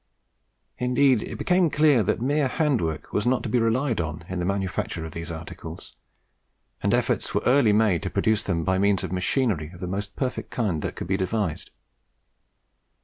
Indeed, it became clear that mere hand work was not to be relied on in the manufacture of these articles, and efforts were early made to produce them by means of machinery of the most perfect kind that could be devised.